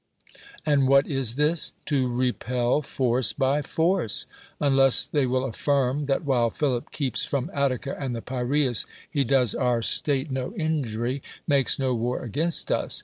And what is this? To repel force by fcrce. Unless they will affirm, that while Philip keeps from Attica and the Piraius, he does our state 122 DEMOSTHENES no injury, makes no war against us.